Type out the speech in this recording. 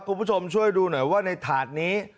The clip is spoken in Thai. คุณผู้ชมช่วยดูหน่อยว่าในถาดนี้